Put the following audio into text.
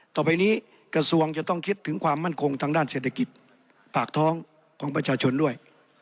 ต่อไปนี้กระทรวงจะต้องคิดถึงความมั่นคงทางด้านเศรษฐกิจปากท้องของประชาชนด้วย